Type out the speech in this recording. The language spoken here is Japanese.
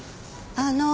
あの。